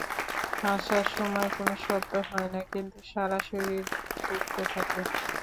হাসার সময় কোনো শব্দ হয় না, কিন্তু সারা শরীর দুলতে থাকে।